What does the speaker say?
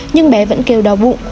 nhưng bé vẫn kêu đau bụng